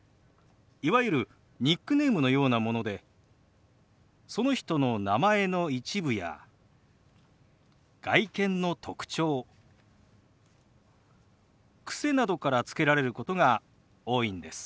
いわゆるニックネームのようなものでその人の名前の一部や外見の特徴癖などからつけられることが多いんです。